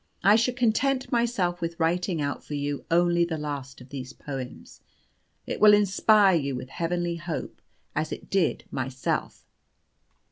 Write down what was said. I shall content myself with writing out for you only the last of these poems; it will inspire you with heavenly hope, as it did myself.